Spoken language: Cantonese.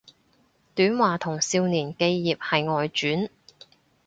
短話同少年寄葉係外傳